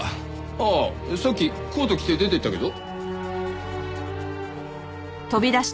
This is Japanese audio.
ああさっきコート着て出ていったけど。